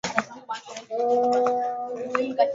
ambapo viongozi kutoka ukanda wa maziwa makuu wamehudhuria